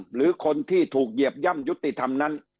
หรือคนที่ถูกเหยียบย่ำยุติธรรมนั้น